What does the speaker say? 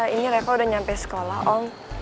ini revo udah nyampe sekolah om